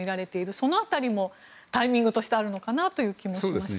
その辺りもタイミングとしてあるのかなという気もしました。